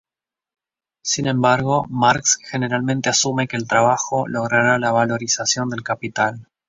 Sin embargo, Marx generalmente asume que el trabajo logrará la valorización del capital.